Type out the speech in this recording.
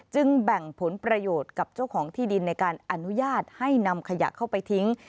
แบ่งผลประโยชน์กับเจ้าของที่ดินในการอนุญาตให้นำขยะเข้าไปทิ้ง